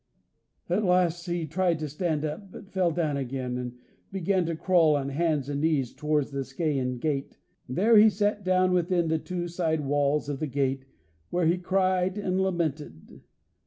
At last he tried to stand up, but fell down again, and began to crawl on hands and knees towards the Scaean gate. There he sat down, within the two side walls of the gate, where he cried and lamented.